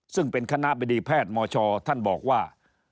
ซึ่งเป็นคณะบดีแพทย์มชท่านบอกว่า